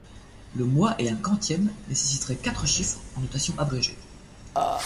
Le mois et un quantième nécessiteraient quatre chiffres en notation abrégée.